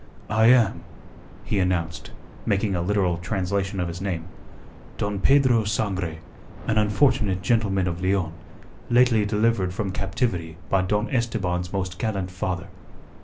"I am," he announced, making a literal translation of his name, "Don Pedro Sangre, an unfortunate gentleman of Leon, lately delivered from captivity by Don Esteban's most gallant father."